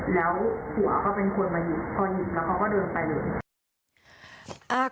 แล้วผัวก็เป็นคนมาหยิบพอหยิบแล้วเขาก็เดินไปเลย